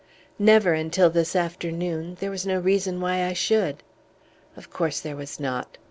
"Never until this afternoon; there was no reason why I should." "Of course there was not."